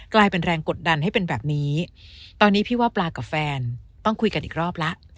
กลายเป็นแรงกดดันให้เป็นแบบนี้ตอนนี้พี่ว่าปลากับแฟนต้องคุยกันอีกรอบแล้ว